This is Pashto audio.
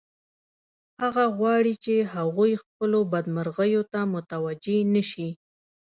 هغه غواړي چې هغوی خپلو بدمرغیو ته متوجه نشي